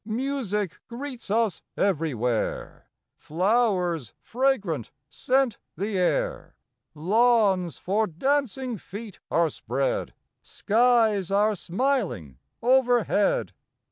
Music greets us everywhere, Flowers fragrant scent the air, Lawns for dancing feet are spread, Skies are smiling overhead.